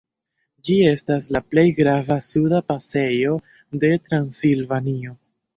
Ĝi estas la plej grava suda pasejo de Transilvanio.